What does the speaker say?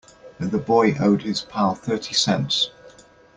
The boy owed his pal thirty cents.